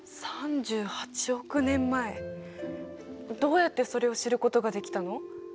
どうやってそれを知ることができたの？